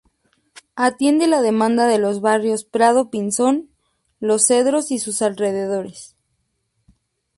Atiende la demanda de los barrios Prado Pinzón, Los Cedros y sus alrededores.